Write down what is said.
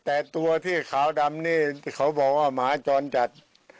แต่ตัวที่ขาวดำนี่เขาบอกว่าหมาจรจัด